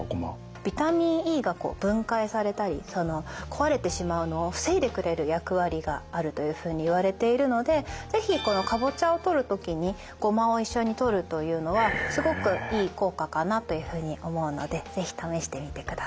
ビタミンＥが分解されたり壊れてしまうのを防いでくれる役割があるというふうにいわれているので是非このカボチャをとる時にゴマを一緒にとるというのはすごくいい効果かなというふうに思うので是非試してみてください。